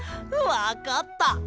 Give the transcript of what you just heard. わかった！